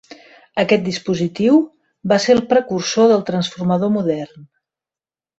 Aquest dispositiu va ser el precursor del transformador modern.